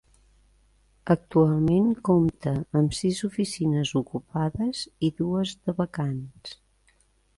Actualment compta amb sis oficines ocupades i dues de vacants.